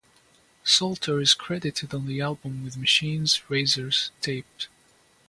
Solter is credited on the album with machines, razors, tape.